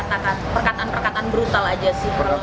ancaman ancaman perkataan perkataan brutal aja sih